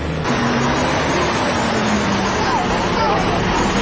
โอเคนะครับได้ค่ะหมอนี่นั่นได้เหรอ